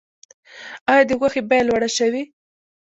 آیا د غوښې بیه لوړه شوې؟